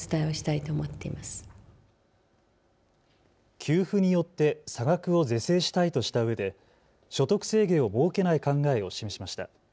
給付によって差額を是正したいとしたうえで所得制限を設けない考えを示しました。